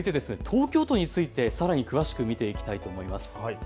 東京都についてさらに詳しく見ていきたいと思います。